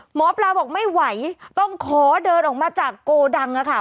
หมอปลาบอกไม่ไหวต้องขอเดินออกมาจากโกดังค่ะ